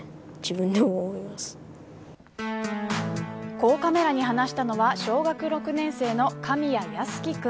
こうカメラに話したのは小学６年生の神谷靖宜君。